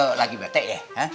lu lagi bete ya